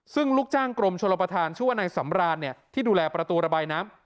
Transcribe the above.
ซึ่งลูกจ้างกรมชลประธานชื่อว่านายสำรานที่ดูแลประตูระบายน้ำ